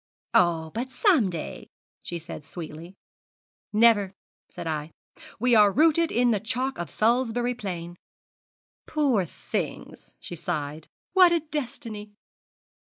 "Oh, but some day," she said sweetly. "Never," said I; "we are rooted in the chalk of Salisbury Plain." "Poor things!" she sighed, "what a destiny!"'